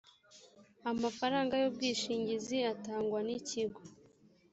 amafaranga y ubwishingizi atangwa n ikigo